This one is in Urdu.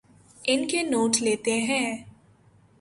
ان کے نوٹ لیتے ہیں